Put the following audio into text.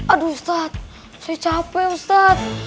aduh ustadz saya capek ustadz